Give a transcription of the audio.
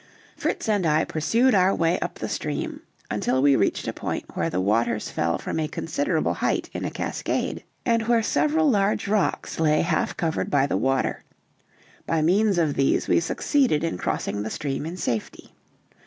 Fritz and I pursued our way up the stream until we reached a point where the waters fell from a considerable height in a cascade, and where several large rocks lay half covered by the water; by means of these we succeeded in crossing the stream in safety.